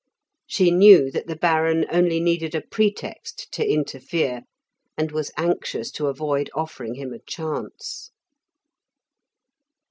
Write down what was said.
She knew that the Baron only needed a pretext to interfere, and was anxious to avoid offering him a chance.